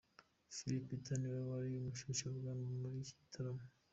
Phil Peter niwe wari umushyushyarugamba muri iki gitaramo.